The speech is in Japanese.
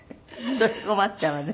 それ困っちゃうわね。